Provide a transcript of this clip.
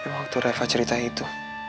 waktu reva ceritanya itu